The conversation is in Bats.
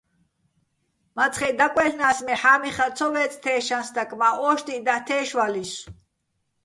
მაცხეჸ დაკვაჲლ'ნა́ს, მე ჰ̦ა́მიხაჸ ცო ვე́წე̆ თეშაჼ სტაკ, მა́ ო́შტიჸ დაჰ̦ თე́შვალისო̆.